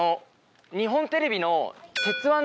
日本テレビの『鉄腕！